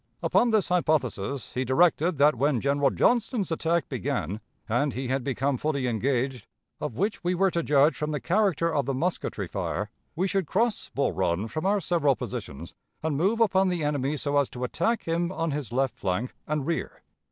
Upon this hypothesis, he directed that when General Johnston's attack began and he had become fully engaged, of which we were to judge from the character of the musketry fire, we should cross Bull Run from our several positions, and move upon the enemy so as to attack him on his left flank and rear.